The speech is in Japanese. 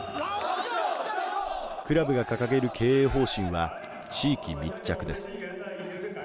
クラブが掲げる経営方針は地域密着です。